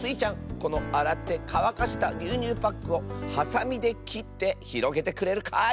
このあらってかわかしたぎゅうにゅうパックをはさみできってひろげてくれるかい？